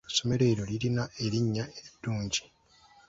Essomero eryo lirina erinnya eddungi.